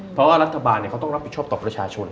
เพราะว่ารัฐบาลเขาต้องรับผิดชอบต่อประชาชน